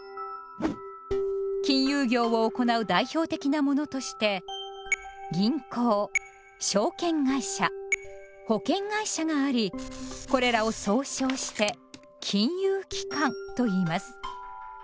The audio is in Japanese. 金融業を行う代表的なものとして「銀行」「証券会社」「保険会社」がありこれらを総称して「金融機関」といいます。